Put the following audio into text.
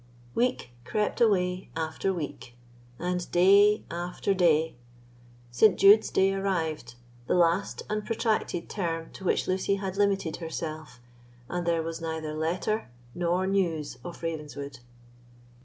Week crept away after week, and day after day. St. Jude's day arrived, the last and protracted term to which Lucy had limited herself, and there was neither letter nor news of Ravenswood.